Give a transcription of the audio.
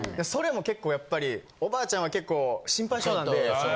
それも結構やっぱり、おばあちゃんは結構、心配性なんで。